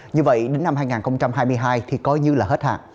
như vậy đến năm hai nghìn hai mươi hai thì coi như là hết hạn